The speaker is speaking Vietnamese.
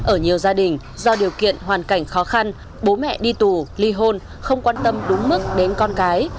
ở nhiều gia đình do điều kiện hoàn cảnh khó khăn bố mẹ đi tù ly hôn không quan tâm đúng mức đến con cái